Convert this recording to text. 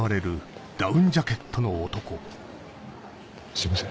すいません。